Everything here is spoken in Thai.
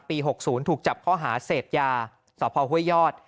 ๖๐ถูกจับข้อหาเสพยาสพห้วยยอด